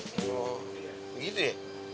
oh gitu ya